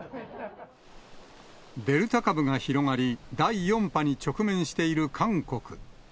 デルタ株が広がり、第４波に直面している韓国。